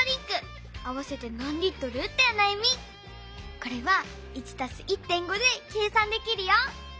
これは「１＋１．５」で計算できるよ。